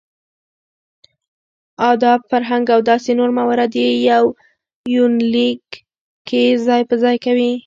اداب ،فرهنګ او داسې نور موارد يې په يونليک کې ځاى په ځاى کوي .